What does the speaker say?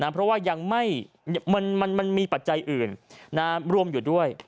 เพราะว่ามันมีปัจจัยอื่นรวมอยู่ด้วย